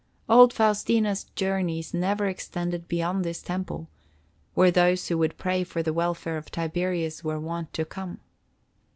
Old Faustina's journeys never extended beyond this temple, where those who would pray for the welfare of Tiberius were wont to come.